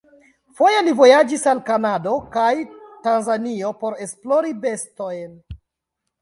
Foje li vojaĝis al Kanado kaj Tanzanio por esplori bestojn.